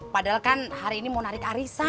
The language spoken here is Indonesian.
padahal kan hari ini mau narik arisan